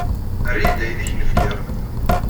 Err-iyi-d ayen i ak-n-fkiɣ.